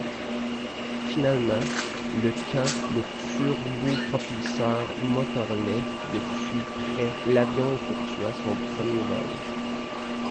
Finalement le quand le turbopropulseur Motorlet de fut prêt l'avion effectua son premier vol.